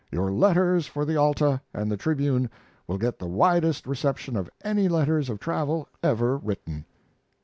Your letters for the Alta and the Tribune will get the widest reception of any letters of travel ever written."